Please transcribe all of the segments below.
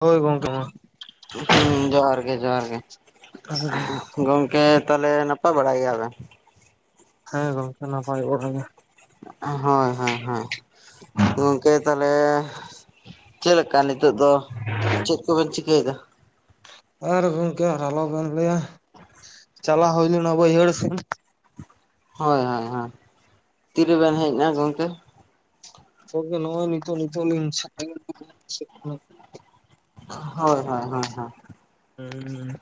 ᱦᱳᱭ ᱜᱚᱝᱠᱮ ᱢᱟ ᱦᱩᱸ ᱡᱚᱦᱟᱨ ᱜᱮ, ᱡᱚᱦᱟᱨ ᱜᱮ ᱜᱚᱝᱠᱮ ᱛᱟᱞᱦᱮ ᱱᱟᱯᱟᱭ ᱵᱟᱲᱟ‌ ᱜᱮᱭᱟᱵᱮᱱ? ᱦᱮᱸ ᱜᱚᱝᱠᱮ ᱱᱟᱯᱟᱭ ᱵᱟᱲᱟᱜᱮ ᱾ ᱦᱳᱭ ᱦᱳᱭ ᱦᱳᱭ ᱜᱚᱝᱠᱮ ᱛᱟᱦᱚᱞᱮ ᱪᱮᱫ ᱞᱮᱠᱟ ᱱᱤᱛᱚᱜ ᱫᱚ, ᱪᱮᱫ ᱠᱚᱵᱮᱱ ᱪᱤᱠᱟᱹᱭᱮᱫᱟ? ᱟᱨ ᱜᱚᱝᱠᱮ ᱟᱨ ᱟᱞᱚ ᱵᱤᱱ ᱞᱟᱹᱭᱟ ᱪᱟᱞᱟᱣ ᱦᱳᱭ ᱞᱮᱱᱟ ᱵᱟᱹᱭᱦᱟᱹᱲ ᱥᱮᱱ ᱦᱳᱭ ᱦᱳᱭ ᱦᱳᱭ ᱛᱤᱨᱮᱵᱤᱱ ᱦᱮᱡ ᱮᱱᱟ ᱜᱚᱢᱠᱮ? ᱜᱚᱝᱠᱮ ᱱᱚᱼᱚᱭ ᱱᱤᱛᱚᱜ ᱱᱤᱛᱚᱜ ᱞᱤᱧ [unintelligible] ᱦᱳᱭ ᱦᱳᱭ ᱦᱳᱭ ᱦᱳᱭ ᱦᱩᱸ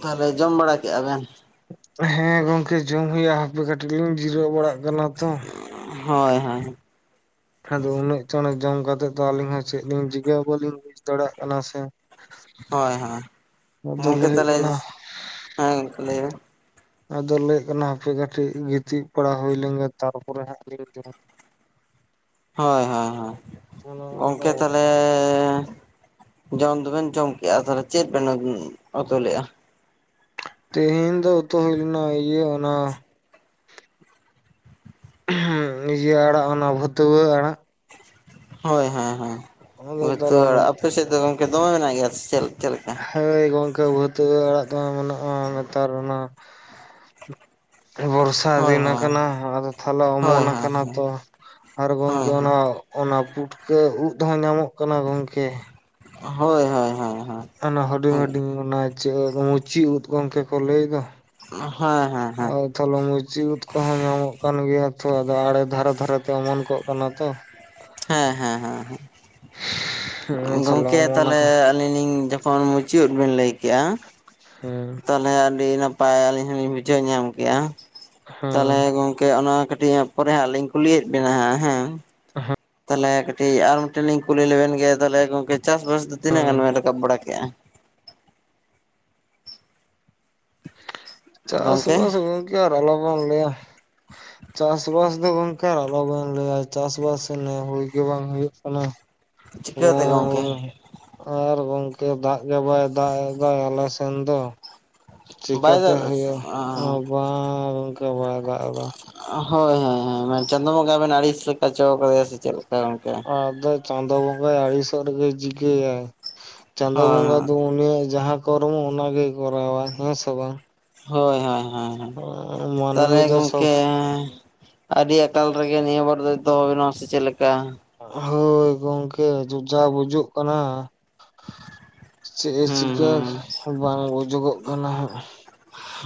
ᱛᱟᱦᱚᱞᱮ ᱡᱚᱢ ᱵᱟᱲᱟ ᱠᱮᱜᱼᱟ ᱵᱮᱱ? ᱦᱮᱸ ᱜᱚᱝᱠᱮ ᱡᱚᱢ ᱦᱩᱭᱩᱜᱼᱟ ᱦᱟᱯᱮ ᱠᱟᱹᱴᱤᱡ ᱞᱤᱧ ᱡᱤᱨᱟᱹᱣ ᱵᱟᱲᱟᱜ ᱠᱟᱱᱟ ᱛᱚ ᱾ ᱦᱳᱭ ᱦᱳᱭ ᱟᱫᱚ ᱩᱱᱟᱹᱜ ᱪᱟᱸᱬᱮ ᱡᱚᱢ ᱠᱟᱛᱮᱜ ᱫᱚ ᱟᱹᱞᱤᱧ ᱦᱚᱸ ᱪᱮᱫ ᱞᱤᱧ ᱪᱤᱠᱟᱹᱭᱟ ᱵᱟᱹᱞᱤᱧ ᱵᱩᱡᱽ ᱫᱟᱲᱮᱭᱟᱜ ᱠᱟᱱᱟ ᱥᱮ᱾ ᱦᱳᱭ ᱦᱳᱭ ᱟᱫᱚ ᱜᱚᱝᱠᱮ ᱞᱟᱹᱭ ᱦᱩᱭᱩᱜ ᱛᱟᱦᱞᱮ, ᱠᱟᱱᱟ ᱦᱮᱸ ᱜᱚᱝᱠᱮ ᱞᱟᱹᱭ ᱵᱮᱱ᱾ ᱟᱫᱚ ᱞᱟᱹᱭᱚ ᱠᱟᱱᱟ ᱦᱟᱯᱮ ᱠᱟᱹᱴᱤᱡ ᱜᱤᱛᱤᱡ ᱯᱟᱲᱟ ᱦᱩᱭ ᱞᱮᱱ ᱜᱮ ᱛᱟᱨᱯᱚᱨᱮ ᱦᱟᱸᱜ ᱞᱤᱧ ᱡᱚᱢ᱾ ᱦᱳᱭ ᱦᱳᱭ ᱦᱳᱭ ᱚᱱᱮ ᱚᱱᱠᱟ ᱜᱚᱝᱠᱮ ᱛᱟᱞᱦᱮ ᱡᱚᱢ ᱫᱚᱵᱮᱱ ᱡᱚᱢ ᱠᱮᱜᱼᱟ ᱛᱟᱞᱦᱮ ᱪᱮᱫ ᱵᱮᱱ ᱟᱵᱩᱱ ᱩᱛᱩ ᱞᱮᱫᱼᱟ? ᱛᱮᱦᱮᱧ ᱫᱚ ᱩᱛᱩ ᱦᱩᱭ ᱞᱮᱱᱟ ᱤᱭᱟᱹ ᱚᱱᱟ ᱦᱩᱸ ᱤᱭᱟᱹ ᱟᱲᱟᱜ ᱚᱱᱟ ᱵᱷᱟᱹᱛᱩᱣᱟᱹ ᱟᱲᱟᱜ᱾ ᱦᱳᱭ ᱦᱮᱸ ᱦᱮᱸ, ᱚᱱᱟ ᱵᱷᱟᱹᱛᱩᱣᱟᱹ ᱫᱚᱞᱟᱱ ᱟᱲᱟᱜ ᱟᱯᱮ ᱥᱮᱫ ᱫᱚ ᱜᱚᱝᱠᱮ ᱫᱚᱢᱮ ᱢᱮᱱᱟᱜ ᱜᱮᱭᱟ ᱥᱮ ᱪᱮᱞ ᱪᱮᱫ ᱞᱮᱠᱟ? ᱦᱳᱭ ᱜᱚᱝᱠᱮ ᱵᱷᱟᱹᱛᱩᱣᱟᱹ ᱟᱲᱟᱜ ᱫᱚ ᱢᱮᱱᱟᱜᱼᱟ ᱱᱮᱛᱟᱨ ᱚᱱᱟ ᱵᱚᱨᱥᱟ ᱦᱳᱭ ᱫᱤᱱ ᱦᱳᱭ ᱟᱠᱟᱱᱟ ᱟᱫᱚ ᱛᱟᱦᱞᱮ ᱦᱳᱭ ᱚᱢᱚᱱ ᱟᱠᱟᱱᱟ ᱦᱳᱭ ᱛᱚ᱾ ᱟᱨ ᱜᱚᱝᱠᱮ ᱦᱳᱭ ᱦᱳᱭ ᱚᱱᱟ ᱚᱱᱟ ᱯᱩᱴᱠᱟᱹ ᱩᱫ ᱦᱚᱸ ᱧᱟᱢᱚᱜ ᱠᱟᱱᱟ ᱜᱚᱝᱠᱮ᱾ ᱦᱳᱭ ᱦᱳᱭ ᱦᱳᱭ᱾ ᱚᱱᱟ ᱦᱮᱸ ᱦᱩᱰᱤᱧ ᱦᱮᱸ ᱦᱩᱰᱤᱧ ᱚᱱᱟ ᱪᱮᱫ ᱢᱩᱪᱤ ᱩᱫ ᱜᱚᱝᱠᱮ ᱠᱚ ᱞᱟᱹᱭ ᱫᱚ᱾ ᱦᱮᱸ ᱦᱮᱸ ᱦᱮᱸ᱾ ᱛᱷᱚᱞᱚ ᱢᱩᱪᱤ ᱩᱫ ᱠᱚᱦᱚᱸ ᱧᱟᱢᱚᱜ ᱠᱟᱱ ᱜᱮᱭᱟ ᱛᱚ ᱟᱫᱚ ᱟᱲᱮ ᱫᱷᱟᱨᱮ ᱫᱷᱟᱨᱮ ᱛᱮ ᱚᱢᱚᱱ ᱠᱚᱜ ᱠᱟᱱᱟ ᱛᱚ᱾ ᱦᱮᱸ ᱦᱮᱸ ᱦᱮᱸ ᱦᱮᱸ, ᱛᱟᱦᱚᱞᱮ ᱜᱚᱝᱠᱮ ᱚᱢᱚᱱ ᱛᱟᱞᱦᱮ ᱟᱠᱟᱱᱟ ᱟᱞᱤᱧ ᱞᱤᱧ ᱡᱚᱠᱷᱚᱱ ᱢᱩᱪᱤ ᱩᱫ ᱵᱮᱱ ᱞᱟᱹᱭ ᱠᱮᱜᱼᱟ, ᱦᱮᱸ ᱛᱟᱦᱚᱞᱮ ᱟᱹᱰᱤ ᱱᱟᱯ ᱯᱟᱭ ᱟᱹᱞᱤᱧ ᱦᱚᱸᱞᱤᱧ ᱵᱩᱡᱷᱟᱹᱣ ᱧᱟᱢ ᱠᱮᱜᱼᱟ, ᱛᱟᱦᱚᱞᱮ ᱦᱮᱸ ᱜᱚᱝ ᱠᱮ ᱚᱱᱟ ᱠᱟᱹᱴᱤᱡ ᱦᱟᱸᱜ ᱯᱚᱨᱮ ᱦᱟᱸᱜ ᱞᱤᱧ ᱠᱩᱞᱤᱭᱮᱫ ᱵᱤᱱᱟ ᱦᱟᱸᱜ ᱦᱮᱸ᱾ [inaudible] ᱞᱮ ᱠᱟᱹᱴᱤᱡ ᱟᱨ ᱢᱤᱫᱴᱮᱱ ᱞᱤᱧ ᱠᱩᱞᱤ ᱞᱮᱵᱮᱱ ᱜᱮ ᱛᱟᱞᱦᱮ ᱜᱚᱝᱠᱮ ᱪᱟᱥᱵᱟᱥ ᱫᱚ ᱛᱤᱱᱟᱹᱜ ᱜᱟᱱ ᱦᱮᱸ ᱵᱮᱱ ᱨᱟᱠᱟᱵ ᱵᱟᱲᱟ ᱠᱮᱫᱼᱟ? ᱜᱚᱝᱠᱮ ᱪᱟᱥᱵᱟᱥ ᱜᱚᱝᱠᱮ ᱟᱨ ᱟᱞᱚ ᱵᱮᱱ ᱞᱮᱭᱟ᱾ ᱪᱟᱥᱵᱟᱥ ᱫᱚ ᱜᱚᱝᱠᱮ ᱟᱨ ᱟᱞᱚᱵᱮᱱ ᱞᱮᱭᱟ ᱪᱟᱥᱵᱟᱥ ᱱᱮ ᱦᱩᱭ ᱜᱮ ᱵᱟᱝ ᱦᱩᱭᱩᱜ ᱠᱟᱱᱟ᱾ ᱪᱤᱠᱟᱹ ᱛᱮ ᱜᱚᱝᱠᱮ? ᱮᱵᱚᱝ ᱟᱨ ᱜᱚᱝᱠᱮ ᱫᱟᱜ ᱜᱮ ᱵᱟᱭ ᱫᱟᱜ ᱮᱫᱟᱭ ᱫᱚ ᱟᱞᱮ ᱥᱮᱱ ᱫᱚ᱾ ᱵᱟᱭ ᱪᱮᱠᱟᱹᱛᱮ ᱫᱟᱜ ᱫᱟ ᱥᱮ? ᱦᱩᱭᱩᱜᱼᱟ, ᱚ ᱮᱸ ᱵᱟᱝ ᱚᱱᱠᱟ ᱵᱟᱭ ᱫᱟᱜ ᱫᱟ᱾ ᱦᱳᱭ ᱦᱳᱭ ᱦᱳᱭ ᱢᱮᱱ ᱪᱟᱸᱫᱚ ᱵᱚᱸᱜᱟ ᱵᱮᱱ ᱟᱹᱲᱤᱥ ᱞᱮᱠᱟ ᱪᱚ ᱠᱟᱫᱮᱭᱟ ᱥᱮ ᱪᱮᱫ ᱞᱮᱠᱟ ᱜᱚᱝᱠᱮ? ᱟᱫᱚ ᱪᱟᱸᱫᱚ ᱵᱚᱸᱜᱟᱭ ᱟᱲᱤᱥᱚᱜ ᱨᱮᱜᱮ ᱪᱤᱠᱟᱹᱭᱟᱭ? ᱪᱟᱸᱫᱚ ᱵᱚᱸᱜᱟ ᱦᱳᱭ ᱫᱚ ᱩᱱᱤᱭᱟᱜ ᱡᱟᱦᱟᱸ ᱠᱚᱨᱢᱚ ᱚᱱᱟᱜᱮᱭ ᱠᱚᱨᱟᱣᱟ, ᱦᱮᱸ ᱥᱮ ᱵᱟᱝ? ᱦᱳᱭ ᱦᱳᱭ ᱦᱳᱭ ᱦᱳᱭ ᱢᱟᱹᱱᱢᱤ ᱛᱟᱦᱞᱮ ᱫᱚ ᱥᱚᱵ ᱜᱚᱝᱠᱮ ᱟᱹᱰᱤ ᱟᱠᱟᱞ ᱨᱮᱜᱮ ᱱᱤᱭᱟᱹ ᱵᱟᱨ ᱫᱚᱭ [unintelligible] ᱥᱮ ᱪᱮᱫ ᱞᱮᱠᱟ? ᱦᱳᱭ ᱜᱚᱝᱠᱮ ᱡᱚᱡᱟ ᱵᱩᱡᱩᱜ ᱠᱟᱱᱟ᱾ ᱪᱮᱫ-ᱮ ᱦᱩᱸ ᱪᱤᱠᱟᱹ ᱦᱩᱸ ᱵᱟᱝ ᱵᱩᱡᱚᱜᱚᱜ ᱠᱟᱱᱟ ᱦᱟᱸᱜ᱾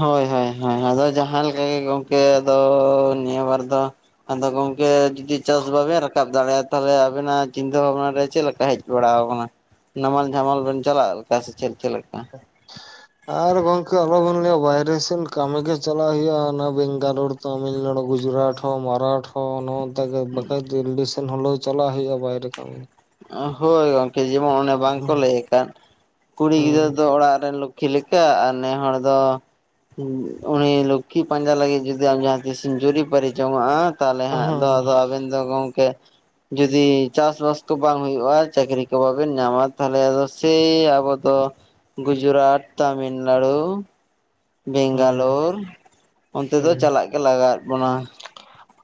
ᱦᱳᱭ ᱦᱳᱭ ᱦᱳᱭ ᱟᱫᱚ ᱡᱟᱦᱟᱸ ᱞᱮᱠᱟ ᱜᱮ ᱜᱚᱝᱠᱮ ᱟᱫᱚ ᱱᱤᱭᱟᱹ ᱵᱟᱨ ᱫᱚ ᱟᱫᱚ ᱜᱚᱝᱠᱮ ᱡᱩᱫᱤ ᱪᱟᱥ ᱵᱟᱵᱮᱱ ᱨᱟᱠᱟᱵ ᱫᱟᱲᱮᱭᱟᱜᱼᱟ ᱛᱟᱞᱦᱮ ᱟᱵᱮᱱᱟᱜ ᱪᱤᱱᱛᱟᱹ ᱵᱷᱟᱵᱱᱟ ᱨᱮ ᱪᱮᱫ ᱞᱮᱠᱟ ᱦᱮᱡ ᱵᱟᱲᱟ ᱟᱠᱟᱱᱟ, ᱱᱟᱢᱟᱞ ᱡᱷᱟᱢᱟᱞ ᱵᱮᱱ ᱪᱟᱞᱟᱜ ᱞᱮᱠᱟ ᱥᱮ ᱪᱮᱞ ᱪᱮᱫ ᱞᱮᱠᱟ? ᱟᱨ ᱜᱚᱝᱠᱮ ᱟᱞᱚᱵᱤᱱ ᱞᱮᱭᱟ ᱵᱟᱭᱨᱮ ᱥᱮᱱ ᱠᱟᱹᱢᱤ ᱜᱮ ᱪᱟᱞᱟᱜ ᱦᱩᱭᱩᱜᱼᱟ ᱚᱱᱟ ᱵᱮᱝᱜᱟᱞᱳᱨ ᱛᱟᱢᱤᱞᱱᱟᱲᱩ, ᱜᱩᱡᱨᱟᱴᱷᱚ, ᱢᱟᱨᱟᱴᱷᱚ ᱱᱚᱛᱮ ᱜᱮ ᱵᱟᱠᱷᱟᱡ ᱫᱤᱞᱞᱤ ᱥᱮᱱ ᱦᱳᱞᱳ ᱪᱟᱞᱟᱜ ᱦᱩᱭᱩᱜᱼᱟ ᱵᱟᱭᱨᱮ ᱠᱟᱹᱢᱤ᱾ ᱦᱳᱭ ᱜᱚᱝᱠᱮ ᱡᱮᱢᱚᱱ ᱚᱱᱮ ᱵᱟᱝᱠᱚ ᱦᱩᱸ ᱞᱟᱹᱭ ᱠᱟᱫ, ᱠᱩᱲᱤ ᱜᱤᱫᱽᱨᱟᱹ ᱦᱩᱸ ᱫᱚ ᱚᱲᱟᱜ ᱨᱮᱱ ᱞᱚ ᱠᱷᱤ ᱞᱮᱠᱟ ᱟᱨ ᱱᱮ ᱦᱚᱲ ᱫᱚ ᱩᱱᱤ ᱞᱚᱠᱠᱷᱤ ᱯᱟᱸᱡᱟ ᱞᱟᱹᱜᱤᱫ ᱡᱩᱫᱤ ᱟᱢ ᱡᱟᱦᱟᱸ ᱛᱤᱥᱮᱢ ᱡᱩᱨᱤ ᱯᱟᱨᱥᱤ ᱡᱚᱝᱟᱜᱼᱟ ᱛᱟᱦᱚᱞᱮ ᱦᱟᱸᱜ ᱟᱫᱚ ᱦᱩᱸ ᱟᱵᱮᱱ ᱫᱚ ᱜᱚᱝᱠᱮ ᱡᱩᱫᱤ ᱪᱟᱥᱵᱟᱥ ᱛᱩ ᱵᱟᱝ ᱦᱩᱭᱩᱜᱼᱟ ᱪᱟᱹᱠᱨᱤ ᱠᱚ ᱵᱟᱵᱮᱱ ᱧᱟᱢᱟ ᱛᱟᱦᱚᱞᱮ ᱟᱫᱚ ᱥᱮᱭ ᱟᱵᱚ ᱫᱚ ᱜᱩᱡᱽᱨᱟᱴ, ᱛᱟᱢᱤᱞᱱᱟᱲᱩ, ᱵᱮᱝᱜᱟᱞᱳᱨ ᱚᱱᱛᱮ ᱫᱚ ᱦᱩᱸ ᱪᱟᱞᱟᱜ ᱜᱮ ᱞᱟᱜᱟᱣᱫ ᱵᱚᱱᱟ᱾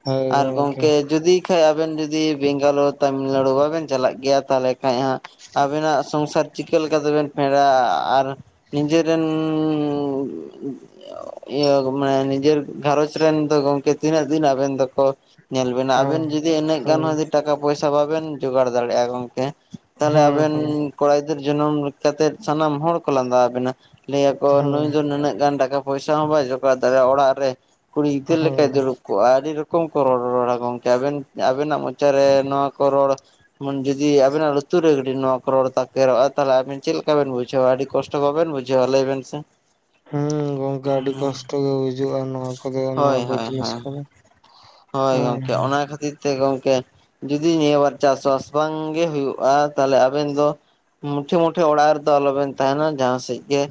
ᱦᱳᱭ ᱟᱨ ᱜᱚᱝᱠᱮ ᱜᱚᱢᱠᱮ ᱡᱩᱫᱤ ᱮᱠᱷᱟᱡ ᱟᱵᱮᱱ ᱡᱩᱫᱤ ᱵᱮᱝᱜᱟᱞᱳᱨ ᱛᱟᱹᱟᱢᱤᱞᱱᱟᱹᱲᱩ ᱵᱟᱵᱮᱱ ᱪᱟᱞᱟᱜ ᱜᱮᱭᱟ ᱛᱟᱦᱚᱞᱮ ᱠᱷᱟᱱᱡ ᱦᱟᱸᱜ ᱟᱵᱮᱱᱟᱜ ᱥᱚᱝᱥᱟᱨ ᱪᱤᱠᱟᱹ ᱞᱮᱠᱟ ᱛᱮᱵᱮᱱ ᱯᱮᱲᱟᱜᱼᱟ ᱟᱨ ᱱᱤᱡᱮᱨᱮᱱᱻ ᱤᱭᱟᱹ ᱢᱟᱱᱮ ᱱᱤᱡᱮᱨ ᱜᱷᱟᱨᱚᱧᱡᱽ ᱨᱮᱱ ᱫᱚ ᱜᱚᱢᱠᱮ ᱛᱤᱱᱟᱹᱜ ᱫᱤᱱ ᱟᱵᱮᱱ ᱫᱚᱠᱚ ᱧᱮᱞ ᱵᱮᱱᱟ ᱟᱵᱮᱱ ᱦᱮᱸ ᱡᱩᱫᱤ ᱤᱱᱟᱹᱜ ᱜᱟᱱ ᱦᱳᱭ ᱦᱚᱸ ᱴᱟᱠᱟ ᱯᱚᱭᱥᱟ ᱵᱟᱵᱮᱱ ᱡᱚᱜᱟᱲ ᱫᱟᱲᱮᱭᱟᱜᱼᱟ ᱜᱚᱢᱠᱮ ᱛᱟᱦᱚᱞᱮ ᱦᱩᱸ ᱦᱩᱸ ᱟᱵᱮᱱ ᱠᱚᱲᱟ ᱜᱤᱫᱟᱹᱨ ᱡᱚᱱᱚᱢ ᱠᱟᱛᱮᱫ ᱥᱟᱱᱟᱢ ᱦᱚᱲ ᱠᱚ ᱞᱟᱸᱫᱟ ᱟᱵᱤᱱᱟ ᱞᱟᱹᱭᱟᱠᱚ ᱦᱩᱸ ᱱᱩᱭ ᱫᱚ ᱱᱩᱱᱟᱹᱜ ᱜᱟᱱ ᱴᱟᱠᱟ ᱯᱚᱭᱥᱟ ᱦᱚᱸ ᱵᱟᱭ ᱡᱚᱜᱟᱲ ᱫᱟᱲᱮᱭᱟᱜᱼᱟ, ‌ ᱚᱲᱟᱜ ᱨᱮ ᱠᱩᱲᱤ ᱜᱤᱫᱽᱟᱹᱨ ᱞᱮᱠᱟᱭ ᱦᱩᱸ ᱫᱩᱲᱩᱵ ᱠᱚᱜᱼᱟ, ᱟᱹᱰᱤ ᱨᱚᱠ ᱠᱚᱢ ᱠᱚ ᱨᱚᱲ ᱨᱚᱲᱟ ᱜᱚᱢᱠᱮ ᱟᱵᱮᱱ ᱟᱵᱮᱱᱟᱜ ᱢᱚᱪᱟ ᱨᱮ ᱱᱚᱣᱟ ᱠᱚ ᱨᱚᱲ ᱡᱩᱫᱤ ᱟᱵᱤᱱᱟᱜ ᱞᱩᱛᱩᱨ ᱨᱮ ᱡᱩᱫᱤ ᱱᱚᱣᱟ ᱠᱚ ᱨᱚᱲ ᱛᱟᱠᱮᱨᱚᱜᱼᱟ ᱛᱟᱦᱚᱞᱮ ᱟᱵᱤᱱ ᱪᱮᱫ ᱞᱮᱠᱟ ᱵᱤᱱ ᱵᱩᱡᱷᱟᱹᱣᱟ ᱟᱹᱰᱤ ᱠᱚᱥᱴᱚ ᱜᱮ ᱵᱟᱵᱮᱱ ᱵᱩᱡᱷᱟᱹᱣᱼᱟ ᱞᱟᱹᱭ ᱵᱮᱱ ᱥᱮ᱾ ᱦᱮᱸ ᱜᱚᱢᱠᱮ ᱟᱹᱰᱤ ᱠᱚᱥᱴᱚ ᱜᱮ ᱵᱩᱡᱩᱜᱼᱟ ᱱᱚᱣᱟ ᱠᱚᱫᱚ ᱱᱚᱣᱟ ᱦᱳᱭ ᱠᱚ ᱦᱳᱭ ᱡᱤᱱᱤᱥ ᱦᱳᱭ ᱠᱟᱫᱚ᱾ ᱦᱳᱭ ᱜᱚᱢᱠᱮ ᱚᱱᱟ ᱠᱷᱟᱹᱛᱤᱨ ᱪᱮ ᱜᱚᱢᱠᱮ ᱡᱩᱫᱤ ᱱᱤᱭᱟᱹ ᱵᱟᱨ ᱪᱟᱥᱼᱵᱟᱥ ᱵᱟᱝᱜᱮ ᱦᱩᱭᱩᱜᱼᱟ ᱛᱟᱦᱚᱞᱮ ᱟᱵᱮᱱ ᱫᱚ ᱢᱩᱴᱮ ᱢᱩᱴᱷᱮ ᱚᱲᱟᱜ ᱨᱮᱫᱚ ᱟᱞᱚᱵᱮᱱ ᱛᱟᱸᱦᱮᱱᱟ ᱡᱟᱸᱦᱟ ᱥᱮᱡᱽ ᱜᱮ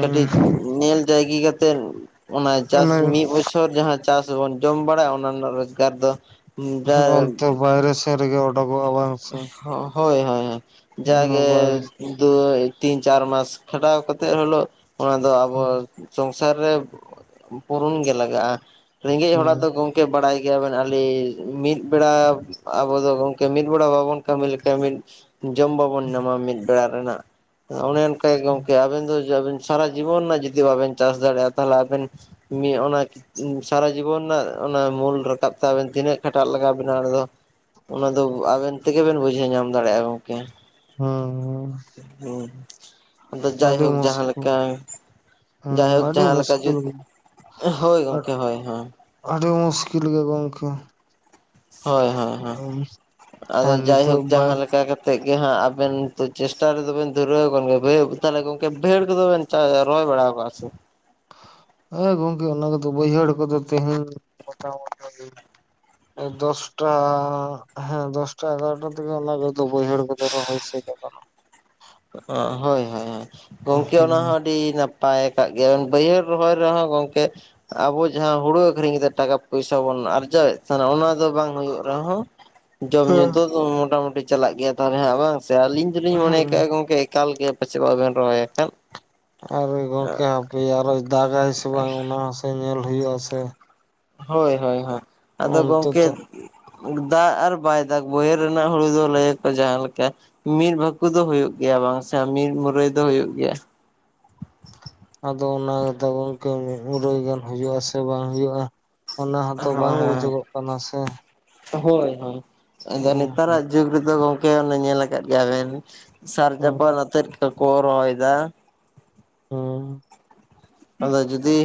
ᱠᱟᱹᱴᱤᱡ ᱧᱮᱞ ᱡᱟᱭᱜᱤ ᱠᱟᱛᱮᱜ ᱚᱱᱟ ᱪᱟᱥ ᱚᱱᱮ ᱢᱤᱫ ᱵᱚᱪᱷᱚᱨ ᱡᱟᱸᱦᱟ ᱪᱟᱥ ᱵᱚᱱ ᱡᱚᱢ ᱵᱟᱲᱟᱭᱟ ᱚᱱᱟ ᱨᱮᱱᱟᱜ ᱨᱳᱡᱽᱜᱟᱨ ᱫᱚ ᱡᱟ ᱚᱱᱛᱮ ᱵᱟᱭᱨᱮ ᱥᱮᱱ ᱨᱮᱜᱮ ᱚᱰᱩᱠᱚᱜᱼᱟ ᱵᱟᱝ᱾ ᱥᱮ ᱦᱳᱭ ᱦᱳᱭ ᱳᱭ ᱡᱟ ᱚᱱᱟ ᱜᱮ ᱵᱟᱭᱨᱮ ᱫᱩ ᱛᱤᱱ ᱪᱟᱨ ᱢᱟᱥ ᱠᱷᱟᱰᱟᱣ ᱠᱟᱛᱮᱜ ᱦᱤᱞᱚᱣ ᱚᱱᱟ ᱫᱚ ᱟᱵᱚ ᱦᱩᱸ ᱥᱚᱝᱥᱟᱨ ᱨᱮ ᱯᱩᱨᱩᱱ ᱜᱮ ᱞᱟᱜᱟᱜᱼᱟ ᱨᱮᱸᱜᱮᱡ ᱦᱚᱲᱟᱜ ᱦᱩᱸ ᱫᱚ ᱜᱚᱢᱠᱮ ᱵᱟᱲᱟᱭ ᱜᱮᱭᱟᱵᱮᱱ ᱟᱞᱤ ᱢᱤᱫ ᱵᱮᱲᱟ ᱟᱵᱚ ᱫᱚ ᱜᱚᱢᱠᱮ ᱢᱤᱫ ᱵᱮᱲᱟ ᱵᱟᱵᱚᱱ ᱠᱟᱹᱢᱤ ᱞᱮᱠᱷᱟᱱ ᱢᱤᱫ ᱡᱚᱢ ᱵᱟᱵᱚᱱ ᱧᱟᱢᱟ ᱢᱤᱫ ᱵᱮᱲᱟ ᱨᱮᱱᱟᱜ, ᱚᱱᱮ ᱚᱱᱠᱟ ᱜᱚᱢᱠᱮ ᱟᱵᱮᱱ ᱫᱚ ᱟᱵᱤᱱ ᱥᱟᱨᱟ ᱡᱤᱵᱚᱱ ᱨᱮᱱᱟᱜ ᱡᱩᱫᱤ ᱵᱟᱵᱮᱱ ᱪᱟᱥ ᱫᱟᱲᱮᱭᱟᱜᱼᱟ ᱛᱟᱦᱮ ᱟᱵᱮᱱ, ᱢᱤ ᱚᱱᱟ ᱥᱟᱨᱟ ᱡᱤᱵᱚᱱ ᱨᱮᱱᱟᱜ ᱚᱱᱟ ᱢᱩᱞ ᱨᱟᱠᱟᱵ ᱛᱮ ᱟᱵᱮᱱ ᱛᱤᱱᱟᱹᱜ ᱠᱷᱟᱴᱟᱜ ᱞᱟᱜᱟᱣ ᱵᱮᱱᱟ ᱚᱸᱰᱮ ᱫᱚ? ᱚᱱᱟ ᱫᱚ ᱟᱵᱮᱱ ᱛᱮᱜᱮ ᱵᱮᱱ ᱵᱩᱡᱷᱟᱹᱣ ᱧᱟᱢ ᱫᱟᱲᱮᱭᱟᱜᱼᱟ ᱜᱚᱢᱠᱮ᱾ ᱦᱩᱸ ᱦᱩᱸ ᱟᱫᱚ ᱟᱹᱰᱤ ᱡᱟᱭᱦᱳᱠ ᱡᱟᱸᱦᱟ ᱢᱩᱥᱠᱤᱞ ᱞᱮᱠᱟ ᱦᱮᱸ ᱡᱟᱭᱦᱳᱠ ᱟᱹᱰᱤ ᱡᱟᱸᱦᱟ ᱞᱮᱠᱟ ᱡᱩ ᱢᱩᱥᱠᱤᱞ ᱦᱳᱭ ᱜᱚᱢᱠᱮ ᱦᱳᱭ ᱦᱳᱭ᱾ ᱟᱹᱰᱤ ᱢᱩᱥᱠᱤᱞ ᱜᱮ ᱜᱚᱢᱠᱮ᱾ ᱦᱳᱭ ᱦᱳᱭ ᱦᱳᱭ ᱟᱫᱚ ᱟᱨ ᱱᱤᱛᱚᱜ ᱡᱟᱭᱦᱳᱠ ᱵᱟᱭ ᱡᱟᱸᱦᱟ ᱞᱮᱠᱟ ᱠᱟᱛ ᱮᱱᱮᱫ ᱜᱮ ᱦᱟᱸᱜ ᱟᱵᱮᱱ ᱛᱚ ᱪᱮᱥᱴᱟ ᱨᱮᱫᱚ ᱵᱮᱱ ᱫᱷᱩᱨᱟᱹᱣ ᱟᱠᱟᱱ ᱜᱮ ᱵᱷ ᱛᱟᱦᱚᱞᱮ ᱜᱚᱢᱠᱮ ᱵᱷᱤᱲ ᱠᱚᱫᱚ ᱵᱮᱱ ᱪ ᱨᱚᱦᱚᱭ ᱵᱟᱲᱟ ᱠᱚᱜᱼᱟ ᱥᱮ? ᱦᱮᱸ ᱜᱚᱢᱠᱮ ᱚᱱᱟ ᱠᱚᱫᱚ ᱵᱟᱹᱭᱦᱟᱹᱲ ᱠᱚᱫᱚ ᱛᱮᱸᱦᱮᱸᱧ [inaudible] ᱫᱚᱥᱴᱟᱻ ᱦᱮᱸ ᱫᱚᱥᱴᱟ ᱮᱜᱟᱨᱚᱴᱟ ᱫᱤᱜᱮ ᱚᱱᱟ ᱠᱚᱫᱚ ᱵᱟᱹᱭᱦᱲ ᱠᱚᱫᱚ ᱨᱚᱦᱚᱭ ᱥᱟᱹᱛ ᱟᱠᱟᱱᱟ᱾ ᱮ ᱦᱳᱭ ᱦᱳᱭ ᱦᱳᱭ ᱜᱚᱢᱠᱮ ᱚᱱᱟ ᱦᱚᱸ ᱟᱰ ᱰᱤ ᱱᱟᱯᱟᱭ ᱟᱠᱟᱫ ᱜᱮᱭᱟ ᱵᱟᱹᱭᱦᱟᱹᱲ ᱨᱚᱦᱚᱭ ᱨᱮᱸᱦᱚ ᱜᱚᱢᱠᱮ ᱟᱵᱚ ᱡᱟᱸᱦᱟ ᱦᱩᱲᱩ ᱟᱹᱠᱷᱨᱤᱧ ᱠᱟᱛᱮᱫ ᱴᱟᱠᱟ ᱯᱚᱭᱥᱟ ᱵᱚᱱ ᱟᱨᱡᱟᱣᱮᱫ ᱚᱱᱟ ᱫᱚ ᱵᱟᱝ ᱦᱩᱭᱩᱜ ᱨᱮᱸᱦᱚ ᱡᱚᱢ ᱧᱩ ᱫᱚ ᱢᱚᱴᱟᱢᱩᱴᱤ ᱪᱟᱞᱟᱜ ᱜᱮᱭᱟ ᱛᱟᱦᱚᱞᱮ ᱦᱟᱸᱜ ᱵᱟᱝ ᱥᱮ, ᱟᱞᱤᱧ ᱫᱚᱞᱤᱧ ᱢᱚᱱᱮ ᱦᱮᱸ ᱜᱚᱢᱠᱮ ᱮᱠᱟᱞ ᱜᱮ ᱯᱟᱪᱮᱫ ᱵᱟᱵᱮᱱ ᱨᱚᱦᱚᱭᱟᱠᱟᱫ᱾ ᱟᱨ ᱜᱚᱢᱠᱮ ᱦᱟᱯᱮ ᱟᱨᱚᱭ ᱫᱟᱜᱟᱭ ᱥᱮ ᱵᱟᱝ ᱚᱱᱟ ᱦᱚᱸᱥᱮ ᱧᱮᱞ ᱦᱩᱭᱩᱜᱼᱟ ᱥᱮ᱾ ᱦᱳᱭ ᱦᱳᱭ ᱦᱳᱭ, ᱟᱫᱚ ᱚᱱᱛᱮ ᱜᱚᱢᱠᱮ ᱛᱚ ᱫᱟᱜ ᱟᱨ ᱵᱟᱭ ᱫᱟᱜ ᱵᱚᱭᱦᱟᱹᱲ ᱨᱮᱱᱟᱜ ᱦᱩᱲᱩ ᱫᱚ ᱞᱟᱹᱭᱟᱠᱚ ᱡᱟᱦᱟᱸ ᱞᱮᱠᱟ ᱢᱤᱫ ᱵᱷᱟᱹᱠᱩ ᱫᱚ ᱜᱮᱭᱟ ᱵᱟᱝᱥᱮ ᱢᱤᱫ ᱢᱩᱨᱟᱹᱭ ᱫᱚ ᱦᱩᱭᱩᱜ ᱜᱮᱭᱟ᱾ ᱟᱫᱚ ᱚᱱᱟ ᱜᱮᱛᱚ ᱜᱚᱝᱠᱮ ᱢᱤᱫ ᱢᱩᱨᱟᱹᱭ ᱜᱟᱱ ᱦᱩᱭᱩᱜ ᱟᱥᱮ ᱵᱟᱝ ᱦᱩᱭᱩᱜᱼᱟ᱾ ᱚᱱᱟ ᱦᱚᱸᱛᱚ ᱦᱳᱭ ᱵᱟᱝ ᱦᱳᱭ ᱵᱩᱡᱩᱜᱚᱜ ᱠᱟᱱᱟ ᱥᱮ ᱦᱳᱭ ᱦᱳᱭ ᱟᱫᱚ ᱦᱮᱸ ᱱᱮᱛᱟᱨᱟᱜ ᱡᱩᱜᱽ ᱨᱮᱫᱚ ᱜᱚᱢᱠᱮ ᱚᱱᱮ ᱧᱮᱞ ᱟᱠᱟᱫ ᱜᱮᱭᱟ ᱵᱮᱱ ᱥᱟᱨ ᱦᱮᱸ ᱪᱟᱯᱟᱱ ᱱᱟᱛᱮᱫ ᱠᱚᱠᱚ ᱨᱚᱦᱚᱭᱫᱟ᱾᱾ ᱦᱩᱸ᱾ ᱟᱫᱚ ᱡᱩᱫᱤ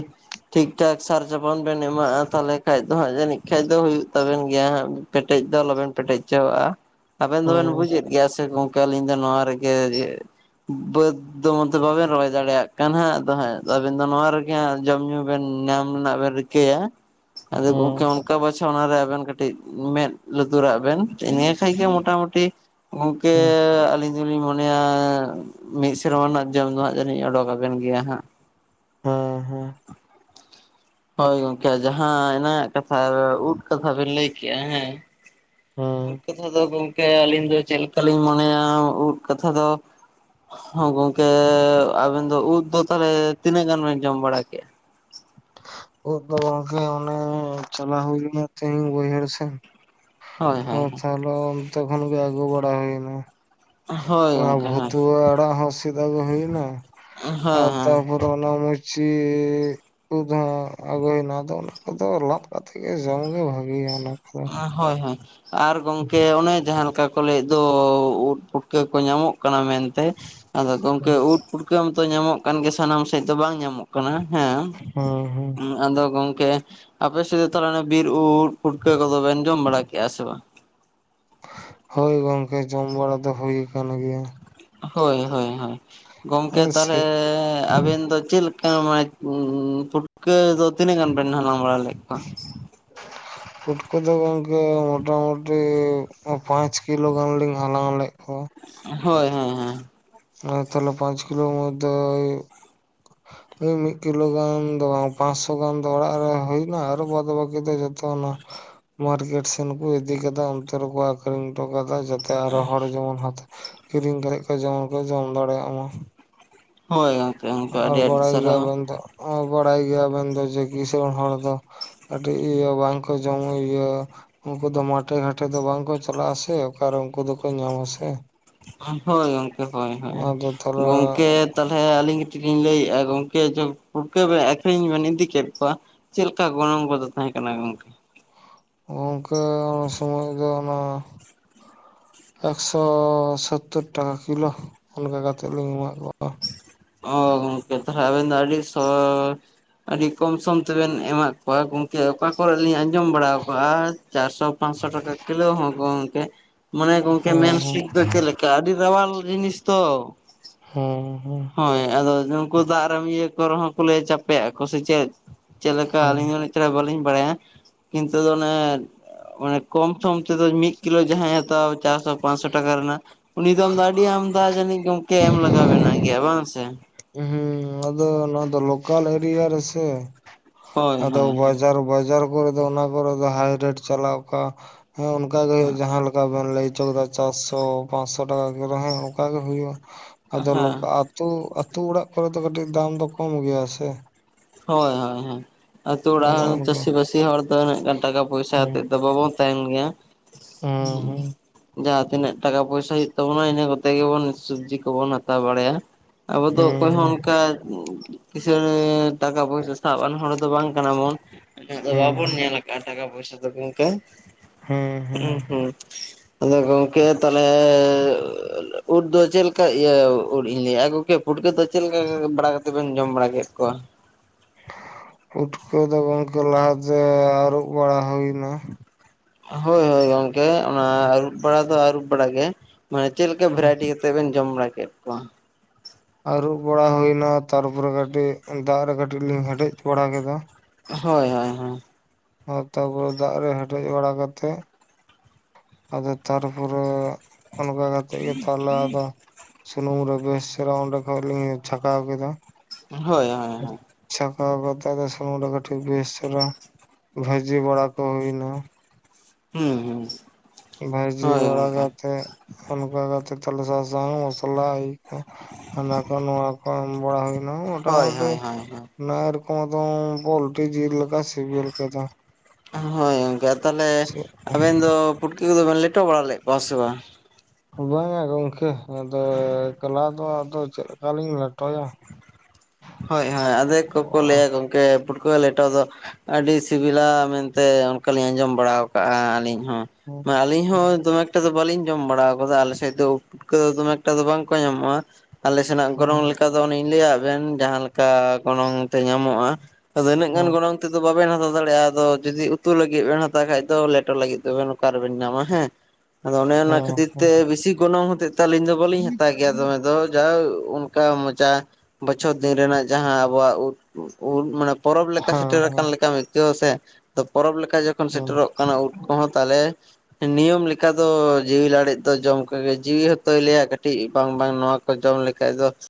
ᱴᱷᱤᱠ ᱴᱷᱟᱠ ᱥᱟᱨ ᱪᱟᱯᱟᱱ ᱵᱮᱱ ᱮᱢᱟᱜᱼᱟ ᱛᱟᱦᱚᱞᱮ ᱠᱷᱟᱱ ᱫᱚ ᱦᱟᱸᱜ ᱡᱟᱹᱱᱤᱡ ᱠᱷᱟᱱ ᱫᱚ ᱦᱩᱭᱩᱜ ᱛᱟᱵᱮᱱ ᱜᱮᱭᱟ ᱦᱟᱸᱜ᱾ ᱯᱮᱴᱮᱡ ᱫᱚ ᱟᱞᱚ ᱵᱮᱱ ᱯᱮᱴᱮᱡ ᱦᱚᱪᱚᱣᱟᱜᱼᱟ ᱟᱵᱮᱱ ᱫᱚᱵᱮᱱ ᱵᱩᱡᱮᱫ ᱜᱮᱭᱟ ᱥᱮ ᱜᱚᱝ ᱟᱞᱤᱧ ᱫᱚ ᱱᱚᱣᱟ ᱨᱮᱜᱮ ᱵᱟᱹᱫᱽ ᱫᱚ ᱢᱟᱱᱮ ᱵᱟᱵᱮᱱ ᱨᱚᱦᱚᱭ ᱫᱟᱲᱮᱭᱟᱜ ᱠᱟᱱᱟ ᱦᱟᱸᱜ ᱟᱫᱚ ᱦᱟᱜ ᱟᱵᱮᱱ ᱫᱚ ᱱᱚᱣᱟ ᱨᱮᱜᱮ ᱦᱟᱸᱜ ᱡᱚᱢ ᱧᱩ ᱵᱮᱱ ᱧᱟᱢ ᱨᱮᱱᱟᱜ ᱵᱮᱱ ᱨᱤᱠᱟᱹᱭᱟ ᱟᱫᱚ ᱜᱚᱢᱠᱮ ᱚᱠᱟ ᱵᱟᱪᱷᱟ ᱚᱱᱟᱨᱮ ᱟᱵᱮᱱ ᱠᱟᱹᱴᱤᱡ ᱢᱮᱫ ᱞᱩᱛᱩᱨᱟᱜ ᱵᱮᱱ ᱱᱤᱭᱟᱹ ᱠᱷᱟᱱ ᱜᱮ ᱢᱳᱴᱟᱢᱩᱴᱤ ᱜᱚᱝᱠᱮ ᱟᱞᱤᱧ ᱟᱹᱞᱤᱧ ᱫᱚ ᱞᱤᱧ ᱢᱚᱱᱮᱭᱟ ᱢᱤᱫ ᱥᱮᱨᱢᱟ ᱨᱮᱱᱟᱜ ᱡᱚᱢ ᱫᱚ ᱦᱟᱸᱜ ᱡᱟᱹᱱᱤᱧ ᱚᱰᱩᱵᱮᱱ ᱜᱮᱭᱟ ᱦᱟᱸᱜ᱾ ᱦᱮᱸ ᱦᱮᱸ᱾ ᱦᱳᱭ ᱜᱚᱝᱠᱮ ᱡᱟᱦᱟᱸ ᱮᱱᱟᱱᱟᱜ ᱠᱟᱛᱷᱟ ᱩᱫ ᱠᱟᱛᱷᱟ ᱵᱮᱱ ᱞᱟᱹᱭ ᱠᱮᱫᱮᱜᱼᱟ ᱦᱮᱸ᱾ ᱩᱫ ᱦᱮᱸ ᱠᱟᱛᱷᱟ ᱫᱚ ᱜᱚᱢᱠᱮ ᱟᱹᱞᱤᱧ ᱫᱚ ᱪᱮᱫ ᱞᱮᱠᱟᱞᱤᱧ ᱢᱚᱱᱮᱭᱟ ᱩᱫ ᱠᱟᱛᱷᱟ ᱫᱚ ᱦᱮ ᱜᱚᱝᱠᱮ ᱟᱵᱮᱱ ᱫᱚ ᱩᱫ ᱫᱚ ᱛᱟᱦᱚᱞᱮ ᱛᱤᱱᱟᱹᱜ ᱜᱟᱱ ᱵᱮᱱ ᱡᱚᱢ ᱵᱟᱲᱟ ᱠᱮᱫᱮᱜᱼᱟ᱾᱾ ᱩᱫ ᱫᱚ ᱜᱚᱝᱠᱮ ᱪᱟᱞᱟᱣ ᱦᱩᱭ ᱞᱮᱱᱟ ᱛᱤᱦᱤᱧ ᱵᱟᱹᱭᱦᱟᱲ ᱥᱮᱫ ᱾ ᱦᱳᱭ ᱦᱳᱭ ᱛᱟᱦᱚᱞᱮ ᱚᱱᱛᱮ ᱠᱷᱚᱱ ᱜᱮ ᱟᱜᱩ ᱵᱟᱲᱟ ᱦᱩᱭᱱᱟ᱾ ᱦᱳᱭ ᱚᱱᱟ ᱜᱚᱝᱠᱮ ᱦᱳᱭ ᱵᱷᱩᱛᱩᱣᱟᱹ ᱟᱲᱟᱜ ᱦᱚᱸ ᱥᱤᱫ ᱟᱜᱩ ᱦᱩᱭᱱᱟ ᱦᱳᱭ ᱟᱨ ᱛᱚ ᱱᱚᱣᱲ ᱢᱩᱪᱤ ᱩᱫ ᱦᱚ ᱟᱹᱜᱚᱭᱮᱱᱟ ᱟᱫᱚ ᱚᱱᱟ ᱠᱚᱫᱚ ᱞᱟᱫ ᱠᱟᱛᱮ ᱜᱮ ᱡᱚᱢ ᱜᱮ ᱵᱷᱟᱜᱮᱭᱟ ᱚᱱᱟ ᱠᱚᱫᱚ᱾ ᱦᱳᱭ ᱦᱳᱭ ᱦᱳᱭ ᱟᱨ ᱜᱚᱝᱠᱮ ᱚᱱᱮ ᱡᱟᱦᱟᱸ ᱞᱮᱠᱟ᱾ ᱠᱚᱞᱟᱭᱮᱫᱚ ᱩᱫ ᱯᱩᱴᱠᱟᱹ ᱠᱚ ᱧᱟᱢᱚᱜ ᱠᱟᱱᱟ ᱢᱮᱱᱛᱮ ᱟᱫᱚ ᱜᱚᱢᱠᱮ ᱩᱫ ᱯᱩᱴᱠᱟᱹ ᱧᱟᱢᱚᱜ ᱠᱟᱱ ᱜᱮᱭᱟ ᱥᱟᱱᱟᱢ ᱥᱮᱫ ᱫᱚ ᱵᱟᱝ ᱧᱟᱢᱚᱜ ᱠᱟᱱᱟ ᱦᱮᱸ᱾ ᱦᱮᱸ ᱦᱮᱸ ᱟᱫᱚ ᱜᱚᱝᱠᱮ ᱟᱯᱮ ᱥᱮᱫ ᱛᱟᱦᱚᱞᱮ ᱵᱤᱨ ᱩᱫ ᱯᱷᱩᱴᱠᱟᱹ ᱠᱚᱫᱚ ᱵᱮᱱ ᱡᱚᱢ ᱵᱟᱲᱟ ᱠᱮᱜᱼᱟ ᱥᱮ ᱵᱟᱝ? ᱦᱳᱭ ᱜᱚᱝᱠᱮ ᱡᱚᱢ ᱵᱟᱲᱟ ᱫᱚ ᱦᱩᱭ ᱠᱟᱱᱟᱱ ᱜᱮᱭᱟ᱾ ᱦᱳᱭ ᱦᱳᱭ ᱜᱚᱢᱠᱮ ᱦᱮᱸ ᱥᱮ ᱛᱟᱦᱚᱞᱮ ᱟᱵᱮᱱ ᱫᱚ ᱪᱮᱫᱞᱮᱠᱟ᱾ ᱢᱟᱱᱮ ᱯᱷᱩᱸᱴᱠᱟ. ᱫᱚ ᱛᱤᱱᱟᱜ ᱜᱟᱱ ᱵᱮᱱ ᱦᱟᱞᱟᱝ ᱵᱟᱲᱟ ᱞᱮᱫ ᱠᱚᱣᱟ᱾ [unintelligible] ᱯᱩᱴᱠᱟ ᱫᱚ ᱜᱚᱝᱠᱮ ᱢᱚᱴᱟᱢᱩᱴᱤ ᱯᱟᱸᱪ ᱠᱤᱞᱳ ᱜᱟᱱ ᱞᱤᱧ ᱦᱟᱞᱟᱝ ᱞᱮᱫ ᱠᱚᱣᱟ᱾ ᱦᱳᱭ ᱦᱳᱭ ᱦᱮᱸ᱾ ᱛᱟᱦᱞᱮ ᱯᱟᱸᱪ ᱠᱤᱞᱳ ᱢᱚᱫᱫᱮ ᱳᱭ ᱳᱭ ᱢᱤᱫ ᱠᱤᱞᱳ ᱜᱟᱱ ᱫᱚ ᱵᱟᱝ ᱯᱟᱸᱥᱥᱚ ᱜᱟᱱ ᱫᱚ ᱚᱲᱟᱜ ᱨᱮ ᱦᱩᱭ ᱮᱱᱟ ᱟᱨᱚ ᱵᱟᱫ ᱵᱟᱹᱠᱤ ᱫᱚ ᱡᱚᱛᱚ ᱚᱱᱟ ᱢᱟᱨᱠᱮᱴ ᱥᱮᱱ ᱠᱚ ᱤᱫᱤ ᱠᱮᱫᱟ ᱚᱱᱛᱮ ᱨᱮᱠᱚ ᱟᱠᱷᱨᱤᱧ ᱦᱚᱴᱚ ᱠᱟᱫᱟ ᱡᱚᱛᱚᱼᱼ ᱛᱮ ᱟᱨᱚ ᱦᱚᱲ ᱡᱮᱢᱚᱱ ᱠᱤᱨᱤᱧ ᱠᱟᱛᱮ ᱠᱚ ᱡᱮᱢᱚᱱ ᱠᱚ ᱡᱚᱢ ᱫᱟᱲᱮᱭᱟᱜ ᱢᱟ᱾ ᱦᱳᱭ ᱜᱚᱢᱠᱮ᱾ ᱟᱨ ᱵᱟᱲᱟᱭ ᱜᱮᱭᱟᱵᱮᱱ ᱫᱚ ᱵᱟᱲᱟᱭ ᱜᱮᱭᱟᱵᱮᱱ ᱫᱚ ᱡᱮ ᱠᱤᱥᱟ. ᱬ ᱦᱚᱲ ᱫᱚ ᱠᱟᱹᱴᱤᱡ ᱵᱟᱠᱚ ᱡᱚᱢ ᱧᱩ ᱤᱭᱟᱹ ᱩᱱᱠᱩ ᱫᱚ ᱢᱟᱴᱮ ᱜᱷᱟᱴᱮ ᱫᱚ ᱵᱟᱝᱠᱚ ᱪᱟᱞᱟᱜ ᱟᱥᱮ ᱚᱠᱟᱨᱮ ᱩᱱᱠᱩ ᱫᱚᱠᱚ ᱧᱟᱢ ᱟᱥᱮ ᱟᱨ ᱦᱳᱭ ᱜᱚᱢᱠᱮ ᱦᱳᱭ ᱦᱳᱭ ᱛᱟᱦᱚᱞᱮ ᱜᱚᱢᱠᱮ ᱛᱟᱦᱚᱞᱮ ᱟᱹᱞᱤᱧ ᱠᱟᱹᱴᱤᱡ ᱞᱤᱧ ᱞᱟᱹᱭᱮᱫᱼᱟ, ᱜᱚᱝᱠᱮ ᱡᱮ ᱯᱩᱴᱠᱟᱹ ᱵᱮᱱ ᱟᱹᱠᱷᱨᱤᱧ ᱵᱮᱱ ᱤᱫᱤ ᱠᱮᱫ ᱠᱚᱣᱟ ᱪᱮᱫ ᱞᱮᱠᱟ ᱜᱚᱱᱚᱝ ᱠᱚᱫᱚ ᱛᱟᱦᱮᱸ ᱠᱟᱱᱟ ᱜᱚᱝᱠᱮ? ᱜᱚᱝᱠᱮ ᱥᱚᱢᱚᱭ ᱫᱚ ᱚᱱᱟ ᱮᱠᱥᱳ ᱥᱳᱛᱛᱳᱨ ᱴᱟᱠᱟ ᱠᱤᱞᱳ᱾ ᱚᱱᱠᱟ ᱠᱟᱛᱮᱫ ᱞᱤᱧ ᱮᱢᱟ ᱠᱚᱣᱟ᱾ ᱚ ᱜᱚᱢᱠᱮ ᱛᱚ ᱟᱵᱮᱱ ᱫᱚ, ᱟᱹᱰᱤ ᱥᱚᱻ ᱠᱚᱢ ᱥᱚᱢ ᱛᱮᱵᱮᱱ ᱮᱢᱟᱫ ᱠᱚᱣᱟ ᱜᱚᱢᱠᱮ, ᱚᱠᱟ ᱠᱚᱨᱮ ᱞᱤᱧ ᱟᱸᱡᱚᱢ ᱡᱚᱢ ᱵᱟᱲᱟ ᱠᱚᱜᱼᱟ ᱪᱟᱨᱥᱚ ᱯᱟᱸᱪᱥᱚ ᱴᱟᱠᱟ ᱠᱤᱞᱳ ᱦᱚᱸ ᱜᱚᱢᱠᱮ᱾ ᱢᱟᱱᱮ ᱜᱚᱝᱠᱮ ᱦᱮᱸ ᱢᱮᱱᱥᱴ ᱫᱚ ᱪᱮᱫ ᱞᱮᱠᱟ ᱟᱹᱰᱤ ᱨᱟᱣᱟᱞ ᱡᱤᱱᱤᱥ ᱛᱚ᱾ ᱦᱩᱸ᱾ ᱦᱳᱭ ᱟᱫᱚ ᱩᱱᱩᱠᱩ ᱫᱟᱜ ᱨᱮ ᱤᱭᱟᱹ ᱠᱚᱨᱮ ᱦᱚᱸ ᱠᱚ ᱞᱟᱹᱭ ᱪᱟᱯᱮᱜ ᱟᱠ ᱠᱚ ᱥᱮ ᱪᱮᱫ ᱪᱮᱫ ᱞᱮᱠᱟ ᱦᱮᱸ ᱟᱹᱞᱤᱧ ᱦᱚᱞᱤᱧ ᱪᱟ ᱵᱟᱞᱤᱧ ᱵᱟᱲᱟᱭᱟ, ᱠᱤᱱᱛᱩ ᱫᱚ ᱚᱱᱮ ᱟᱱᱮ ᱠᱚᱢ ᱥᱷᱚᱢ ᱛᱮᱫᱚ ᱢᱤᱫ ᱠᱤᱞᱳ ᱡᱟᱦᱟᱸᱭ ᱦᱟᱛᱟᱣᱟ, ᱪᱟᱨᱥᱚ ᱯᱟᱸᱪᱥᱚ ᱴᱟᱠᱟ ᱨᱮᱱᱟᱜ ᱩᱱᱤ ᱫᱚ ᱟᱢᱫᱟ ᱟᱹᱰᱤ ᱟᱢᱫᱟ ᱡᱟᱹᱱᱤᱡ ᱜᱚᱝᱠᱮ ᱮᱢ ᱞᱟᱜᱟᱣ ᱮᱱᱟ ᱜᱮᱭᱟ ᱵᱟᱝ ᱥᱮ? ᱦᱩᱸ ᱟᱫᱚ ᱱᱚᱣᱟ ᱫᱚ ᱞᱳᱠᱟᱞ ᱮᱨᱤᱭᱟ ᱨᱮ ᱥᱮ᱾ ᱦᱳᱭ ᱟᱫᱚ ᱦᱳᱭ ᱦᱳᱭ᱾ ᱵᱟᱡᱟᱨ ᱵᱟᱡᱟᱨ ᱠᱚᱨᱮ ᱫᱚ, ᱚᱱᱟ ᱠᱚᱨᱮ ᱫᱚ ᱦᱟᱭ ᱨᱮᱴ ᱪᱟᱞᱟᱣ ᱟᱠᱟ ᱟᱱᱠᱟ ᱜᱮ ᱡᱟᱦᱟᱸ ᱞᱮᱠᱟ ᱮᱱ ᱞᱟᱹᱭ ᱦᱚᱪ ᱠᱮᱫᱟ᱾ ᱪᱟᱨᱥᱚ ᱯᱟᱸᱪᱥᱚ ᱴᱟᱠᱟ ᱚᱱᱠᱟ ᱜᱮ ᱦᱩᱭᱩᱜᱼᱟ᱾ ᱟᱫᱚ ᱞᱚ ᱦᱮᱸ ᱟᱹᱛᱩ ᱟᱹᱛᱩ ᱚᱲᱟᱜ ᱠᱚᱨᱮ ᱫᱚ ᱠᱟᱹᱴᱤᱡ ᱫᱟᱢ ᱫᱚ ᱠᱚᱢ ᱜᱮᱭᱟ ᱥᱮ᱾ ᱦᱳᱭ ᱦᱳᱭ ᱦᱳᱭ᱾ ᱟᱹᱛᱩ ᱚᱲᱟᱜ ᱚᱱᱮ ᱨᱮᱱ ᱚᱱᱠᱟ ᱪᱟᱹᱥᱤᱵᱟᱹᱥᱤ ᱦᱚᱲ ᱫᱚ ᱩᱱᱟᱹᱜ ᱜᱟᱱ ᱴᱟᱠᱟ ᱯᱚᱭᱥᱟ ᱦᱮᱸ ᱟᱛᱮᱫ ᱫᱚ ᱵᱟᱵᱚᱱ ᱛᱟᱦᱮᱱ ᱜᱮᱭᱟ᱾ ᱦᱮᱸ ᱦᱩ᱾ ᱡᱟᱦᱟᱸ ᱛᱤᱱᱟᱹᱜ ᱴᱟᱠᱟ ᱯᱚᱭᱥᱟ ᱦᱩᱭᱩᱜ ᱛᱟᱵᱚᱱᱟ᱾ ᱤᱱᱟᱹ ᱠᱚᱛᱮ ᱜᱮᱵᱚᱱ ᱥᱚᱵᱽᱡᱤ ᱠᱚᱵᱚᱱ ᱦᱟᱛᱟᱣ ᱵᱟᱲᱟᱭᱟ᱾ ᱟᱵᱚᱫ ᱫᱚ ᱚᱠᱚᱭ ᱦᱚᱸ ᱚᱱᱠᱟ ᱠᱤᱥᱟᱲ ᱴᱟᱠᱟ ᱯᱚᱭᱥᱟ ᱥᱟᱵᱟᱱ ᱦᱚᱲ ᱫᱚ ᱵᱟᱝ ᱠᱟᱱᱟ ᱵᱚᱱ᱾ ᱟᱹᱫᱚ ᱦᱮᱸ ᱵᱟᱵᱚᱱ ᱦᱮᱸ ᱧᱮᱞ ᱠᱟᱜᱼᱟ, ᱴᱟᱠᱟ ᱯᱚᱭᱥᱟ ᱫᱚ ᱜᱚᱝᱠᱮ᱾ ᱦᱮᱸᱻ ᱦᱩᱸ ᱦᱩᱸ᱾ ᱟᱫᱚ ᱜᱚᱝᱠᱮ ᱛᱟᱦᱚᱞᱮ ᱩᱫ ᱫᱚ ᱪᱮᱫ ᱞᱮᱠᱟ? ᱤᱭᱟᱹ ᱩᱫ ᱤᱧ ᱞᱟᱹ ᱟ ᱜᱚᱠᱮ᱾ ᱯᱷᱩᱴᱠᱟᱹ ᱫᱚ ᱪᱮᱫ ᱞᱮᱠᱟ, ᱵᱟᱲᱟ ᱠᱟᱛᱮᱫ ᱵᱮᱱ ᱡᱚᱢ ᱵᱟᱲᱟ ᱠᱮᱫ ᱠᱚᱣᱟ? ᱯᱩᱴᱠᱟᱹᱣ ᱫᱚ ᱜᱚᱝᱠᱮ, ᱞᱟᱦᱟ ᱛᱮ ᱟᱹᱨᱩᱵ ᱵᱟᱲᱟ ᱦᱩᱭ ᱮᱱᱟ᱾ ᱦᱳᱭ ᱦᱳᱭ ᱜᱚᱝᱠᱮ ᱚᱱᱟ ᱟᱹᱨᱩᱵ ᱵᱟᱲᱟ ᱫᱚ ᱟᱹᱨᱩᱯ ᱵᱟᱲᱟᱟᱜ ᱜᱮ ᱢᱟᱱᱮ ᱪᱮᱫ ᱞᱮᱠᱟ ᱵᱷᱮᱨᱟᱭᱴᱤ ᱛᱮᱵᱮᱱ ᱡᱚᱢ ᱵᱟᱲᱟ ᱠᱮᱫ ᱠᱚᱣᱟ? ᱟᱹᱨᱩᱵ ᱵᱟᱲᱟ ᱦᱩᱭᱱᱟ᱾ ᱛᱟᱨᱯᱚᱨᱮ ᱠᱟᱹᱴᱤᱡ ᱫᱟᱜ ᱨᱮ ᱠᱟᱹᱴᱤᱡ ᱞᱤᱧ ᱦᱮᱰᱮᱡ ᱵᱟᱲᱟ ᱠᱮᱫᱟ᱾ ᱦᱳᱭ ᱦᱳᱭ ᱦᱳᱭ᱾ ᱟᱨ ᱛᱟᱯᱚᱨ ᱫᱟᱜ ᱨᱮ ᱦᱮᱰᱮᱡ ᱵᱟᱲᱟ ᱠᱟᱛᱮᱜ ᱟᱫᱚ ᱛᱟᱨᱯᱚᱨᱮ ᱚᱱᱠᱟ ᱠᱟᱛᱮᱫ ᱜᱮ ᱛᱟᱦᱚᱞᱮ ᱟᱫᱚ᱾ ᱥᱩᱱᱩᱢ ᱨᱮ ᱵᱮᱥ ᱪᱮᱦᱨᱟ ᱚᱸᱰᱮ ᱠᱷᱚᱱᱚᱡ ᱞᱤᱧ ᱪᱷᱟᱠᱟᱣ ᱠᱮᱫᱟ᱾ ᱦᱳᱭ ᱦᱳᱭ ᱦᱳᱭ᱾ ᱪᱷᱟᱠᱟᱣ ᱠᱟᱛᱮ ᱥᱩᱱᱩᱢ ᱨᱮ ᱵᱮᱥ ᱪᱮᱦᱨᱟ ᱵᱷᱟᱹᱡᱤ ᱵᱟᱲᱟ ᱠᱚ ᱦᱩᱭᱱᱟ᱾ ᱦᱩᱸ ᱦᱩᱸ᱾ ᱵᱷᱟᱭᱡᱤ ᱦᱳᱭ ᱵᱟᱲᱟ ᱜᱚᱝᱠᱮ ᱠᱟᱛᱮ, ᱚᱱᱠᱟ ᱠᱟᱛᱮ ᱛᱟᱞᱦᱮ ᱥᱟᱥᱟᱝ, ᱢᱚᱥᱞᱟ ᱦᱟᱱᱟ ᱠᱚ ᱱᱚᱣᱟ ᱠᱚ ᱮᱢ ᱵᱟᱲᱟ ᱦᱩᱭᱱᱟ, ᱦᱳᱭ ᱢᱳᱴᱟᱢᱩᱴᱤ ᱦᱳᱭ ᱦᱳᱭ ᱦᱳᱭ ᱚᱱᱟ ᱮᱨᱚᱠᱚᱢ ᱫᱚ ᱵᱳᱞᱴᱤ ᱡᱤᱞ ᱞᱮᱠᱟ ᱥᱤᱵᱤᱞ ᱠᱮᱫᱟ᱾ ᱦᱳᱭ ᱜᱚᱢᱠᱮ, ᱛᱟᱦᱞᱮ ᱪᱮᱫ ᱟᱵᱮᱱ ᱫᱚ ᱯᱩᱴᱠᱤ ᱠᱚᱫᱚ ᱵᱮᱱ ᱞᱮᱴᱚ ᱵᱟᱲᱟ ᱞᱮᱫ ᱠᱚᱣᱟ ᱥᱮ ᱵᱟᱝ? ᱵᱟᱝᱼᱟ ᱜᱚᱝᱠᱮ, ᱟᱫᱚ ᱮᱠᱚᱞᱟ ᱫᱚ ᱟᱫᱚ ᱪᱮᱫ ᱞᱮᱠᱟ ᱞᱤᱧ ᱞᱮᱴᱚᱭᱟ? ᱦᱳᱭ ᱦᱳᱭ ᱟᱫᱮ ᱜᱚᱢᱠᱮ ᱯᱩᱴᱠᱟᱹ ᱞᱮᱴᱚ ᱫᱚ ᱟᱹᱰᱤ ᱥᱤᱵᱤᱞᱟ ᱢᱮᱱᱛᱮ ᱚᱱᱠᱟ ᱞᱤᱧ ᱟᱸᱡᱚᱢ ᱵᱟᱲᱟ ᱟᱠᱟᱜᱼᱟ, ᱟᱹᱞᱤᱧ ᱦᱚᱸ᱾ ᱵᱟ ᱟᱞᱤᱧ ᱦᱚ ᱫᱚᱢᱮ ᱮᱠᱴᱟ ᱫᱚ ᱵᱟᱹᱞᱤᱧ ᱡᱚᱢ ᱵᱟᱲᱟᱣ ᱠᱟᱫᱟ ᱟᱞᱮ ᱥᱮᱫ ᱫᱚ ᱳᱴ ᱯᱩᱴᱠᱟᱹ ᱫᱚ ᱫᱚᱢᱮ ᱮᱠᱴᱟ ᱫᱚ ᱵᱟᱝᱠᱚ ᱧᱟᱢᱚᱜᱼᱟ ᱟᱞᱮ ᱥᱮᱱᱟᱜ ᱜᱚᱱᱚᱝ ᱦᱚᱸ ᱞᱮᱠᱟ ᱫᱚ ᱚᱱᱮᱧ ᱞᱟᱹᱭᱟᱫ ᱵᱮᱱ ᱡᱟᱦᱟᱸ ᱞᱮᱠᱟ ᱜᱚᱱᱚᱝ ᱛᱮ ᱧᱟᱢᱚᱜᱼᱟᱼᱺ ᱟᱫᱚ ᱤᱱᱟᱹᱜ ᱜᱟᱱ ᱦᱚᱸ ᱜᱚᱱᱚᱝᱼᱼ ᱛᱮᱫᱚ ᱵᱟᱵᱮᱱ ᱦᱟᱛᱟᱣ ᱫᱟᱲᱮᱭᱟᱜᱼᱟ ᱟᱫᱚ ᱡᱩᱫᱤ ᱩᱛᱩ ᱞᱟᱜᱤᱫ ᱵᱤᱱ ᱦᱟᱛᱟᱣ ᱠᱷᱟᱡ ᱫᱚ ᱞᱮᱴᱚ ᱞᱟᱹᱜᱤᱫ ᱫᱚᱵᱮᱱ ᱚᱠᱟᱨ ᱨᱮᱵᱮᱱ ᱧᱟᱢᱟ ᱦᱮᱸ᱾ ᱟᱫᱚ ᱚᱸᱱᱮ ᱚᱱᱟ ᱦᱚᱸ ᱠᱷᱟᱹᱛᱤᱨ ᱛᱮ ᱦᱚᱸ ᱵᱤᱥᱤ ᱜᱚᱱᱚᱝ ᱦᱚᱛᱮᱡ ᱛᱮ ᱟᱞᱤᱧ ᱫᱚ ᱵᱟᱞᱤᱧ ᱦᱟᱛᱟᱣ ᱜᱮᱭᱟ ᱜᱮᱭᱟ ᱫᱚᱢᱮ ᱫᱚ ᱡᱟ ᱚᱱᱠᱟ ᱢᱚᱪᱟᱼᱼ ᱵᱚᱪᱷᱚᱨ ᱫᱤᱱ ᱨᱮᱱᱟᱜ ᱡᱟᱦᱟᱸ ᱟᱵᱚᱣᱟᱜ ᱩᱫ ᱩᱫ ᱢᱟᱱᱮ ᱯᱚᱨᱚᱵᱽ ᱞᱮᱠᱟ ᱥᱮᱴᱮᱨ ᱟᱠᱟᱱ ᱦᱚᱸ ᱞᱮᱠᱟᱼᱼ ᱠᱟᱹᱣᱟ ᱥᱮ ᱛᱚ ᱯᱚᱨᱚᱵᱽ ᱞᱮᱠᱟ ᱡᱚᱠᱷᱚᱱ ᱦᱚᱸ ᱥᱮᱴᱮᱨᱚᱜ ᱠᱟᱱᱟ ᱩᱫ ᱠᱚᱦᱚᱸ ᱛᱟᱦᱞᱮᱼᱼ ᱱᱤᱭᱚᱢ ᱞᱮᱠᱟ ᱫᱚ ᱡᱤᱣᱤ ᱞᱟᱲᱮᱡ ᱫᱚ ᱡᱚᱢ ᱠᱟᱜᱮᱡ ᱡᱤᱣᱤ ᱦᱚᱛᱚᱭ ᱞᱟᱹᱭᱟ ᱠᱟᱹᱴᱤᱡ ᱵᱟᱝ ᱵᱟᱝ ᱱᱚᱣᱟᱼᱼ ᱠᱚ ᱡᱚᱢ ᱞᱮᱠᱷᱟᱡ ᱫᱚᱼᱼ